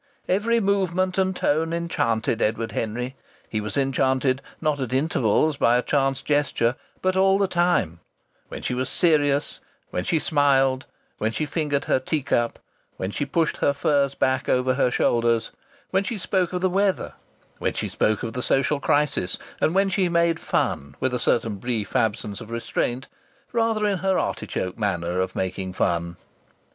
Every movement and tone enchanted Edward Henry. He was enchanted not at intervals, by a chance gesture, but all the time when she was serious, when she smiled, when she fingered her tea cup, when she pushed her furs back over her shoulders, when she spoke of the weather, when she spoke of the social crisis, and when she made fun, with a certain brief absence of restraint rather in her artichoke manner of making fun.